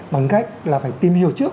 bằng cách là phải tìm hiểu trước